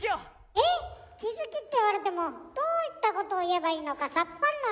えっ⁉気付きって言われてもどういったことを言えばいいのかさっぱりなんだけど。